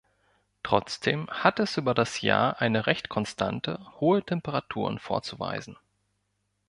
Trotzdem hat es über das Jahr eine recht konstante, hohe Temperaturen vorzuweisen.